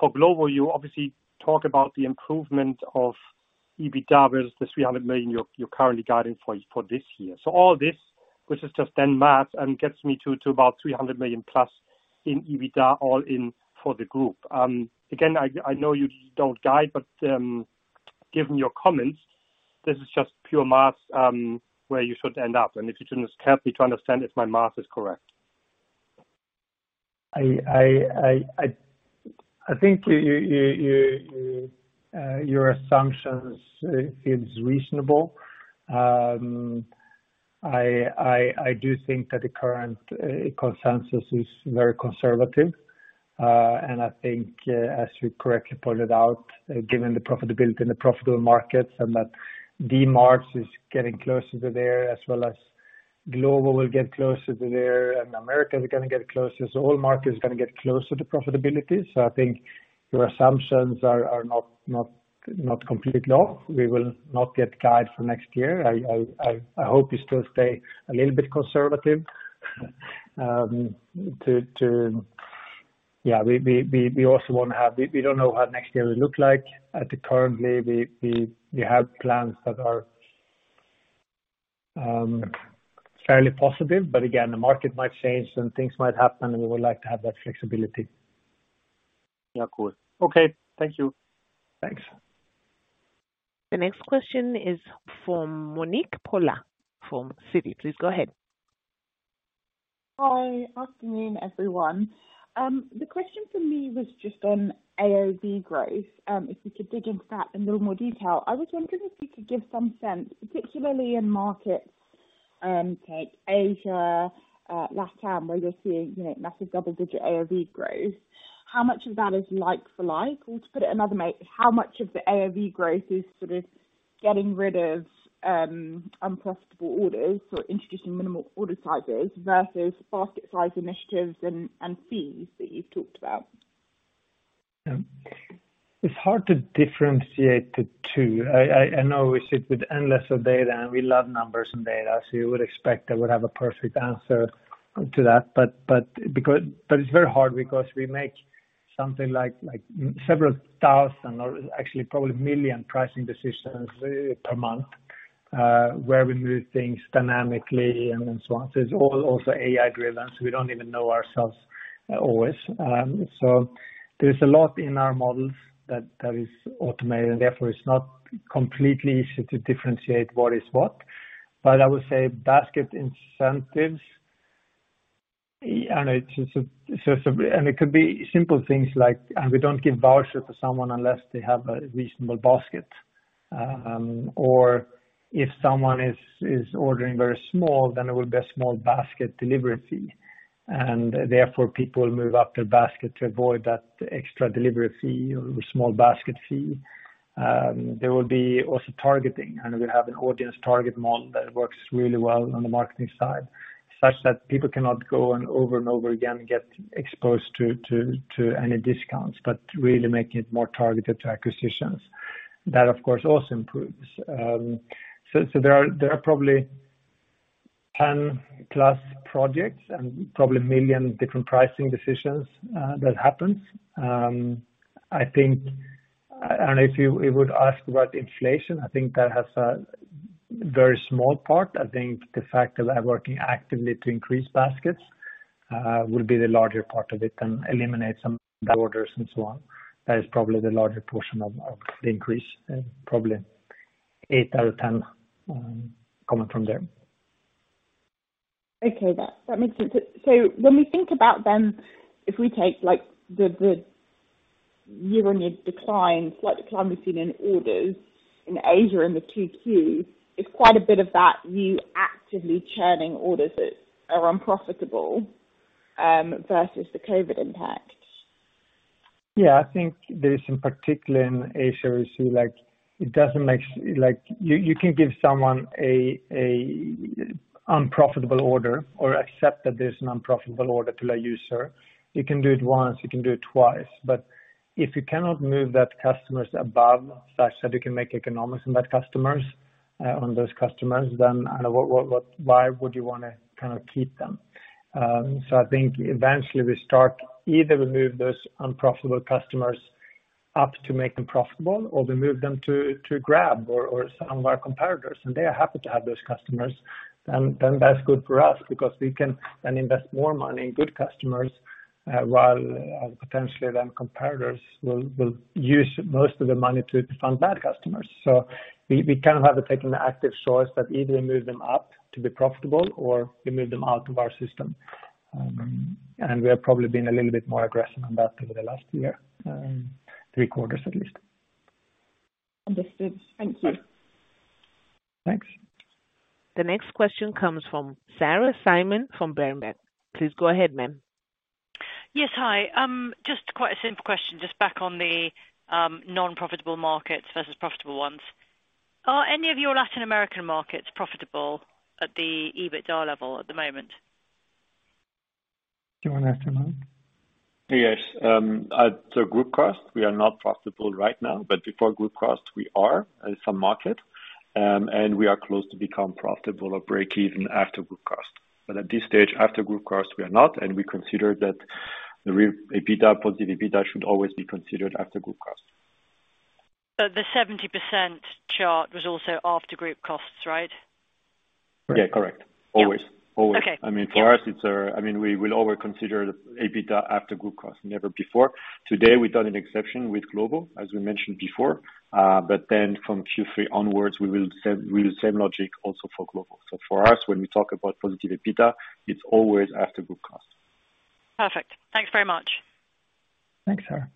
For global, you obviously talk about the improvement of EBITDA versus the 300 million you're currently guiding for this year. All this, which is just then math and gets me to about 300 million plus in EBITDA all in for the group. Again, I know you don't guide, but given your comments, this is just pure math where you should end up. If you can just help me to understand if my math is correct. I think you, your assumptions are reasonable. I do think that the current consensus is very conservative. I think, as you correctly pointed out, given the profitability in the profitable markets and that Dmarts is getting closer to there, as well as Glovo will get closer to there, and America is gonna get closer. All markets gonna get closer to profitability. I think your assumptions are not completely off. We will not give guidance for next year. I hope you still stay a little bit conservative. Yeah, we also wanna have. We don't know how next year will look like. Currently, we have plans that are fairly positive, but again, the market might change and things might happen, and we would like to have that flexibility. Yeah. Cool. Okay. Thank you. Thanks. The next question is from Monique Pollard from Citi. Please go ahead. Hi. Afternoon, everyone. The question for me was just on AOV growth. If you could dig into that in a little more detail. I was wondering if you could give some sense, particularly in markets, take Asia, LatAm, where you're seeing, you know, massive double-digit AOV growth. How much of that is like for like? Or to put it another way, how much of the AOV growth is sort of getting rid of unprofitable orders or introducing minimal order sizes versus basket size initiatives and fees that you've talked about? It's hard to differentiate the two. I know we sit with endless of data, and we love numbers and data. You would expect I would have a perfect answer to that, but because it's very hard because we make something like several thousand or actually probably million pricing decisions per month where we move things dynamically and so on. It's all also AI-driven, so we don't even know ourselves always. There's a lot in our models that is automated, and therefore it's not completely easy to differentiate what is what. I would say basket incentives, and it's just and it could be simple things like we don't give voucher to someone unless they have a reasonable basket. Or if someone is ordering very small, then there will be a small basket delivery fee, and therefore people move up their basket to avoid that extra delivery fee or small basket fee. There will also be targeting, and we have an audience target model that works really well on the marketing side, such that people cannot go on over and over again and get exposed to any discounts, but really making it more targeted to acquisitions. That of course also improves. So there are probably 10+ projects and probably a million different pricing decisions that happens. I think if you would ask about inflation, I think that has a very small part. I think the fact that we're working actively to increase baskets will be the larger part of it and eliminate some orders and so on. That is probably the larger portion of the increase, probably eight out of ten coming from there. Okay. That makes sense. When we think about then if we take like the year-on-year decline, slight decline we've seen in orders in Asia in the Q2, it's quite a bit of that you actively churning orders that are unprofitable, versus the COVID impact. Yeah. I think there is, in particular in Asia. We see like you can give someone a unprofitable order or accept that there's an unprofitable order to a user. You can do it once, you can do it twice. But if you cannot move that customers above such that you can make economics in that customers on those customers, then I don't know what why would you wanna kind of keep them? I think eventually either we move those unprofitable customers up to make them profitable or we move them to Grab or some of our competitors, and they are happy to have those customers. That's good for us because we can then invest more money in good customers, while potentially then competitors will use most of the money to fund bad customers. We kind of have to take an active choice that either we move them up to be profitable or we move them out of our system. We have probably been a little bit more aggressive on that over the last year, three quarters at least. Understood. Thank you. Thanks. The next question comes from Sarah Simon from Berenberg. Please go ahead, ma'am. Yes. Hi. Just quite a simple question, just back on the non-profitable markets versus profitable ones. Are any of your Latin American markets profitable at the EBITDA level at the moment? Do you wanna answer, Manuel? Yes. At the group cost, we are not profitable right now, but before group cost, we are in some markets, and we are close to become profitable or break even after group cost. But at this stage, after group cost, we are not, and we consider that the real EBITDA, positive EBITDA should always be considered after group cost. The 70% chart was also after group costs, right? Yeah. Correct. Always. Okay. Always. I mean, for us, it's a I mean, we will always consider EBITDA after group cost, never before. Today, we done an exception with Glovo, as we mentioned before, but then from Q3 onwards, we will set real same logic also for Glovo. For us, when we talk about positive EBITDA, it's always after group cost. Perfect. Thanks very much. Thanks, Sarah.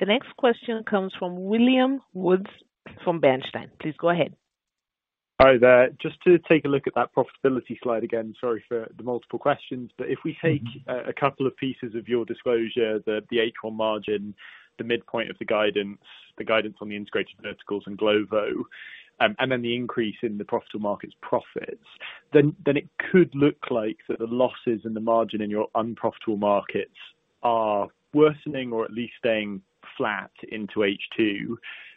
The next question comes from William Woods from Bernstein. Please go ahead. Hi, there. Just to take a look at that profitability slide again, sorry for the multiple questions. If we take a couple of pieces of your disclosure, the EBITDA margin, the midpoint of the guidance, the guidance on the integrated verticals and Glovo, and then the increase in the profitable markets profits, then it could look like that the losses and the margin in your unprofitable markets are worsening or at least staying flat into H2.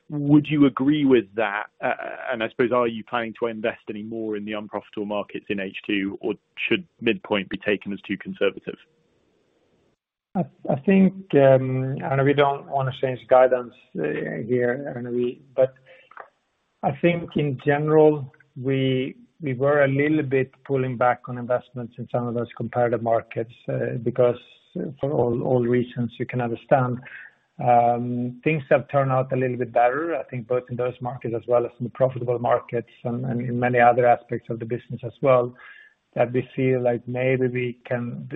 Would you agree with that? I suppose, are you planning to invest any more in the unprofitable markets in H2, or should midpoint be taken as too conservative? I think I know we don't wanna change guidance here. I think in general we were a little bit pulling back on investments in some of those comparative markets because for all regions you can understand things have turned out a little bit better. I think both in those markets as well as in the profitable markets and in many other aspects of the business as well that we feel like maybe we can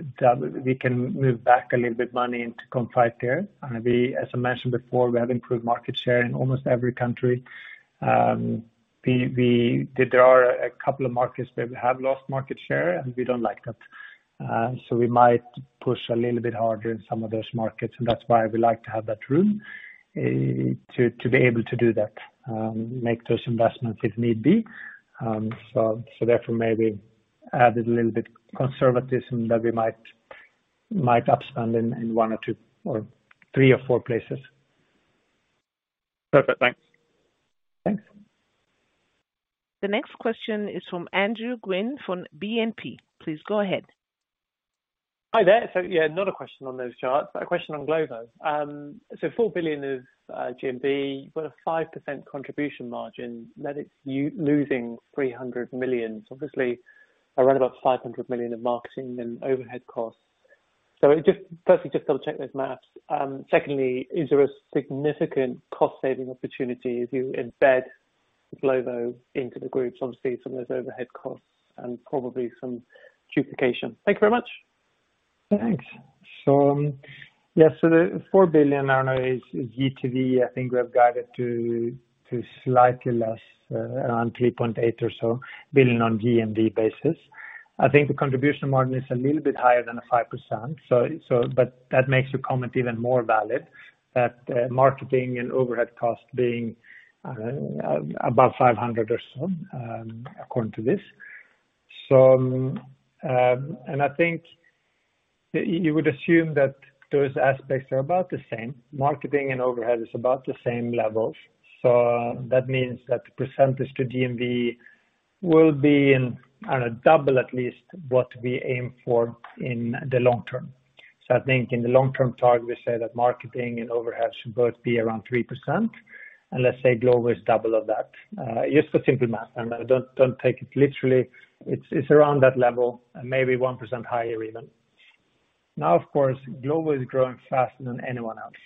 we can move back a little bit money into. As I mentioned before, we have improved market share in almost every country. There are a couple of markets where we have lost market share, and we don't like that. We might push a little bit harder in some of those markets, and that's why we like to have that room to be able to do that, make those investments if need be. Therefore maybe added a little bit of conservatism that we might overspend in one or two or three or four places. Perfect. Thanks. Thanks. The next question is from Andrew Gwynn from BNP. Please go ahead. Hi there. Yeah, not a question on those charts, but a question on Glovo. Four billion of GMV with a 5% contribution margin, that is losing 300 million, obviously around about 500 million in marketing and overhead costs. First, just double-check that math. Second, is there a significant cost-saving opportunity if you embed Glovo into the groups, obviously some of those overhead costs and probably some duplication? Thank you very much. Thanks. Yeah. The 4 billion, I know, is GTV. I think we have guided to slightly less, around 3.8 billion or so on GMV basis. I think the contribution margin is a little bit higher than the 5%. That makes your comment even more valid, that marketing and overhead costs being about 500 million or so, according to this. I think you would assume that those aspects are about the same. Marketing and overhead is about the same levels. That means that the percentage to GMV will be, I don't know, double at least what we aim for in the long term. I think in the long-term target, we say that marketing and overhead should both be around 3%. Let's say Glovo is double of that. Just for simple math, and don't take it literally. It's around that level and maybe 1% higher even. Now, of course, Glovo is growing faster than anyone else.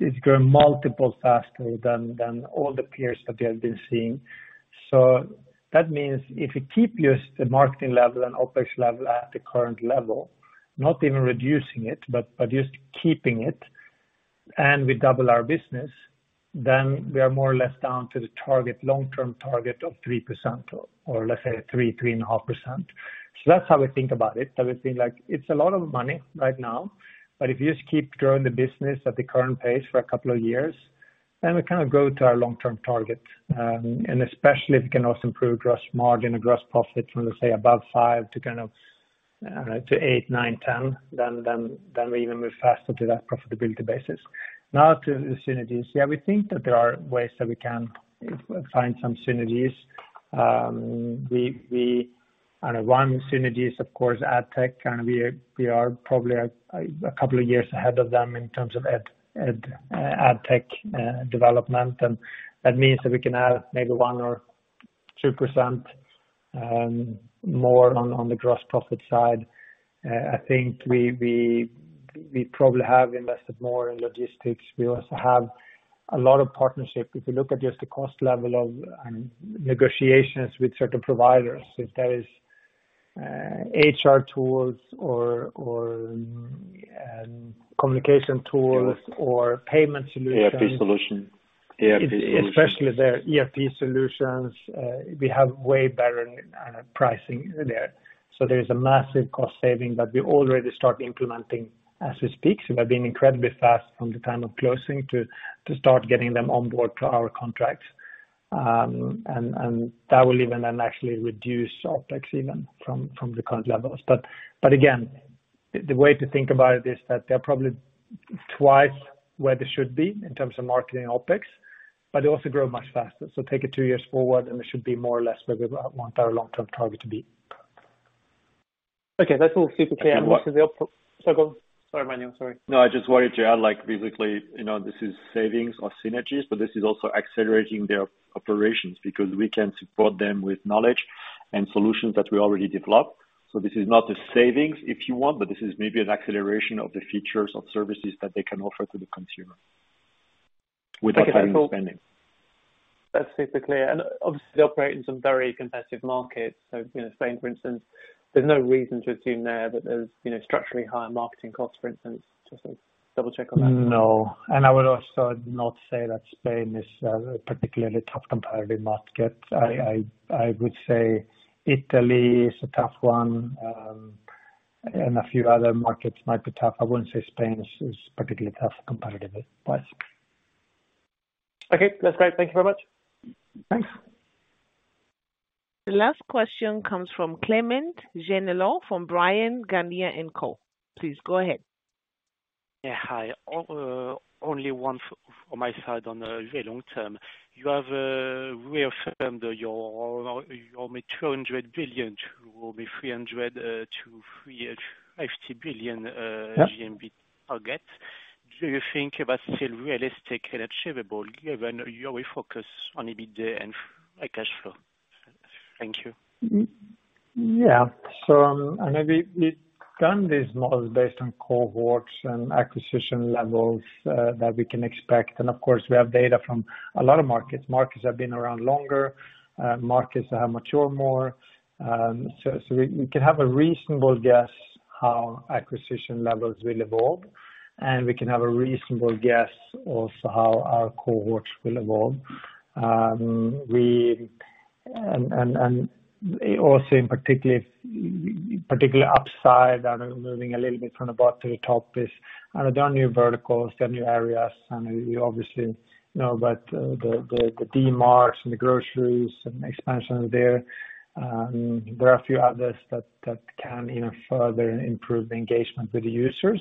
It's growing multiple faster than all the peers that we have been seeing. That means if we keep just the marketing level and OpEx level at the current level, not even reducing it, but just keeping it, and we double our business, then we are more or less down to the target, long-term target of 3% or let's say 3.5%. That's how we think about it. We think, like it's a lot of money right now, but if you just keep growing the business at the current pace for a couple of years, then we kind of go to our long-term target. Especially if we can also improve gross margin or gross profit from, let's say, above 5% to kind of, I don't know, to 8%, 9%, 10%, then we even move faster to that profitability basis. Now to the synergies. Yeah, we think that there are ways that we can find some synergies. We on one synergies, of course, ad tech, and we are probably a couple of years ahead of them in terms of ad tech development. That means that we can add maybe 1% or 2% more on the gross profit side. I think we probably have invested more in logistics. We also have a lot of partnership. If you look at just the cost level of negotiations with certain providers, if that is HR tools or communication tools or payment solutions. ERP solution. Especially the ERP solutions, we have way better pricing there. So there is a massive cost saving that we already start implementing as we speak. We have been incredibly fast from the time of closing to start getting them on board to our contracts. That will even then actually reduce OpEx even from the current levels. Again, the way to think about it is that they're probably twice where they should be in terms of marketing OpEx, but they also grow much faster. So take it two years forward, and it should be more or less where we want our long-term target to be. Okay, that's all super clear. What Sorry, go on. Sorry, Manuel. Sorry. No, I just wanted to add, like physically, you know, this is savings or synergies, but this is also accelerating their operations because we can support them with knowledge and solutions that we already developed. This is not a savings if you want, but this is maybe an acceleration of the features of services that they can offer to the consumer without having spending. That's super clear. Obviously they operate in some very competitive markets. You know, Spain for instance, there's no reason to assume there that there's, you know, structurally higher marketing costs, for instance. Just to double check on that. No. I would also not say that Spain is a particularly tough competitive market. I would say Italy is a tough one, and a few other markets might be tough. I wouldn't say Spain is particularly tough competitively wise. Okay, that's great. Thank you very much. Thanks. The last question comes from Clément Genelot, from Bryan, Garnier & Co. Please go ahead. Yeah, hi. Only one from my side on the very long term. You have reaffirmed your 200 billion to or 300 to 350 billion. Yeah. GMV target. Do you think that's still realistic and achievable given your focus on EBITDA and cash flow? Thank you. Yeah. I mean, we've done these models based on cohorts and acquisition levels that we can expect. Of course, we have data from a lot of markets. Markets have been around longer, markets that have matured more. We can have a reasonable guess how acquisition levels will evolve, and we can have a reasonable guess also how our cohorts will evolve. Also, particularly upside, I don't know, moving a little bit from the bottom to the top is, I don't know, done new verticals, done new areas, and we obviously know that the Dmarts and the groceries and expansion there are a few others that can even further improve engagement with the users.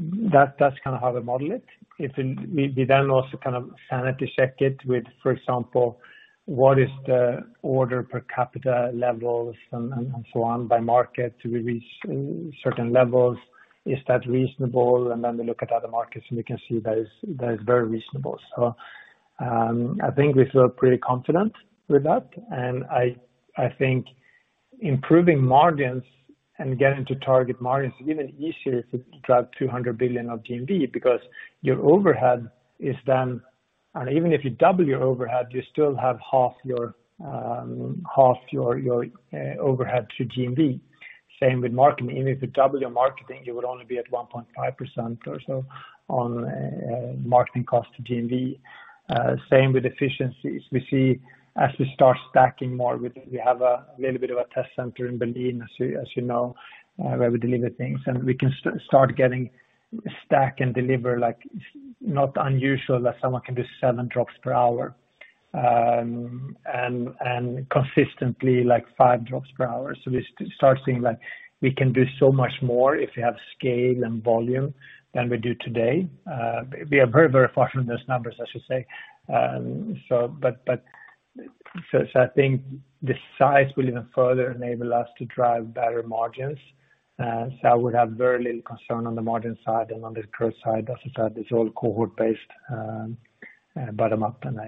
That's kinda how we model it. If we then also kind of sanity check it with, for example, what is the order per capita levels and so on by market to reach certain levels, is that reasonable? Then we look at other markets, and we can see that is very reasonable. I think we feel pretty confident with that, and I think improving margins and getting to target margins is even easier to drive 200 billion of GMV because your overhead is then. Even if you double your overhead, you still have half your overhead to GMV. Same with marketing. Even if you double your marketing, you would only be at 1.5% or so on marketing cost to GMV. Same with efficiencies. We see as we start stacking more, we have a little bit of a test center in Berlin, as you know, where we deliver things, and we can start getting stacked and deliver like it's not unusual that someone can do seven drops per hour, and consistently like five drops per hour. We start seeing like we can do so much more if we have scale and volume than we do today. We are very, very far from those numbers, I should say. I think the size will even further enable us to drive better margins. I would have very little concern on the margin side and on the growth side. As I said, it's all cohort-based, bottom-up, and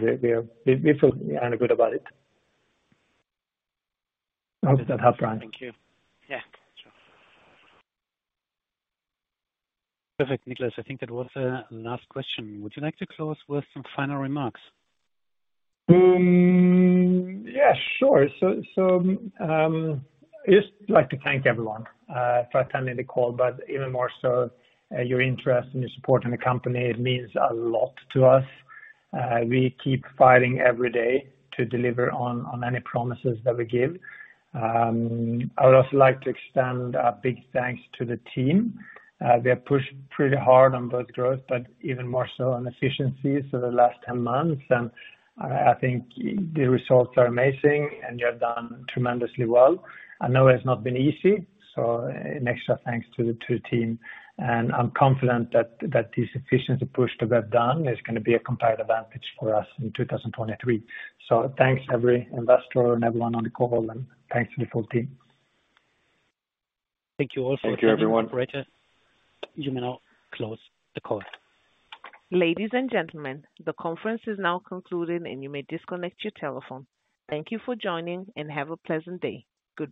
we feel good about it. I hope that helped, Clément Genelot. Thank you. Yeah, sure. Perfect. Niklas, I think that was the last question. Would you like to close with some final remarks? Yeah, sure. I'd just like to thank everyone for attending the call, but even more so, your interest and your support in the company. It means a lot to us. We keep fighting every day to deliver on any promises that we give. I would also like to extend a big thanks to the team. They have pushed pretty hard on both growth but even more so on efficiencies for the last 10 months. I think the results are amazing, and they have done tremendously well. I know it's not been easy, so an extra thanks to the team. I'm confident that this efficiency push that we've done is gonna be a competitive advantage for us in 2023. Thanks to every investor and everyone on the call, and thanks to the full team. Thank you, everyone. You may now close the call. Ladies and gentlemen, the conference is now concluding, and you may disconnect your telephone. Thank you for joining, and have a pleasant day. Goodbye.